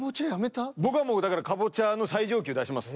僕はもうだからカボチャの最上級出します。